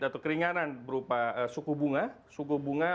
atau keringanan berupa suku bunga